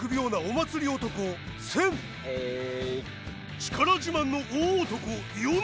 力自慢の大男ヨネ。